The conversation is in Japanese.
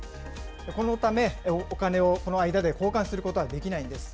このためお金をこの間で交換することはできないんです。